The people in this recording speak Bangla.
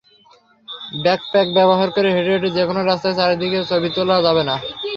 ব্যাকপ্যাক ব্যবহার করে হেঁটে হেঁটে যেকোনো রাস্তার চারদিকের ছবি তোলা যাবে।